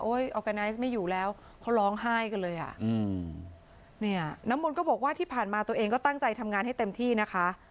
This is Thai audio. ออร์แกไนซ์ไม่อยู่แล้วเขาร้องไห้กันเลยอ่ะอืมเนี่ยน้ำมนต์ก็บอกว่าที่ผ่านมาตัวเองก็ตั้งใจทำงานให้เต็มที่นะคะ